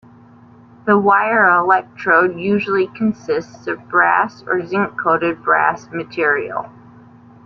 The wire electrode usually consists of brass or zinc-coated brass material.